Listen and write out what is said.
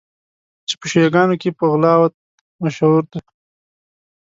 چي په شیعه ګانو کي په غُلات مشهور دي.